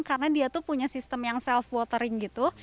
karena dia tuh punya sistem yang self watering gitu